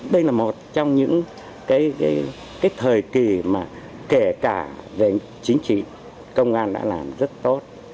đây là một trong những thời kỳ mà kể cả về chính trị công an đã làm rất tốt